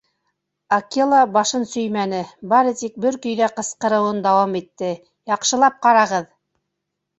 Акела башын сөймәне, бары тик бер көйҙә ҡысҡырыныуын дауам итте: «Яҡшылап ҡарағыҙ!»